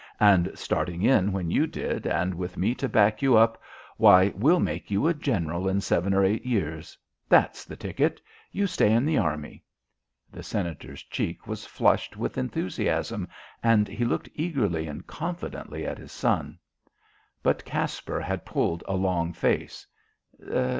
And starting in when you did and with me to back you up why, we'll make you a General in seven or eight years. That's the ticket. You stay in the Army." The Senator's cheek was flushed with enthusiasm, and he looked eagerly and confidently at his son. But Caspar had pulled a long face.